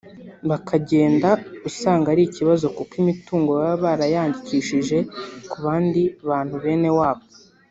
bakagenda usanga ari ikibazo kuko imitungo baba barayandikishije ku bandi bantu bene wabo